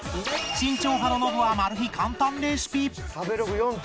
慎重派のノブはマル秘簡単レシピ